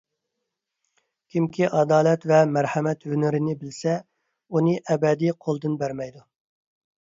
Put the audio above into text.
كىمكى ئادالەت ۋە مەرھەمەت ھۈنىرىنى بىلسە، ئۇنى ئەبەدىي قولىدىن بەرمەيدۇ.